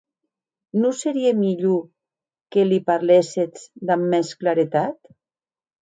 Non serie mielhor que li parléssetz damb mès claretat?